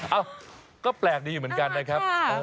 เอ้าก็แปลกดีอยู่เหมือนกันนะครับ